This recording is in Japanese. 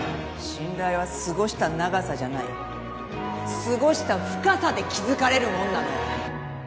信頼は過ごした長さじゃない過ごした深さで築かれるもんなの。